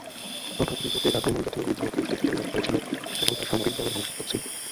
তথাকথিত টেট আক্রমণ জাতীয় বিদ্রোহকে উসকে দিতে ব্যর্থ হয়েছিল এবং তা সামরিকভাবে ধ্বংসাত্মক ছিল।